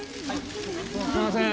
すいません！